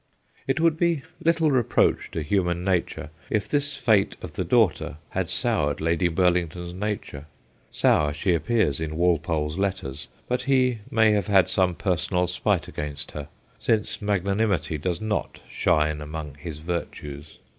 It would be little reproach to human nature if this fate of her daughter had soured Lady Burlington's nature. Sour she appears in Walpole's letters, but he may have had some personal spite against her, since magnanimity does not shine among his virtues.